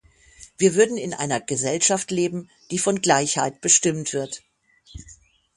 Wir würden in einer Gesellschaft leben, die von Gleichheit bestimmt wird.